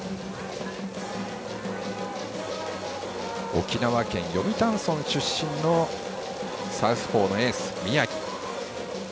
沖縄県読谷村出身のサウスポーのエース、宮城。